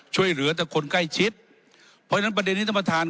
ช่วยเหลือแต่คนใกล้ชิดเพราะฉะนั้นประเด็นนี้ท่านประธาน